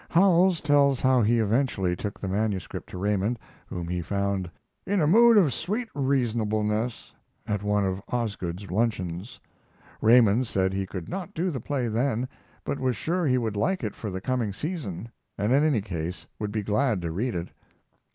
Howells tells how he eventually took the manuscript to Raymond, whom he found "in a mood of sweet reasonableness" at one of Osgood's luncheons. Raymond said he could not do the play then, but was sure he would like it for the coming season, and in any case would be glad to read it.